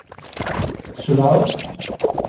Tcelɛeḍ?